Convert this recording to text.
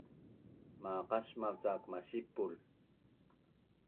Na maqasmav cak masipul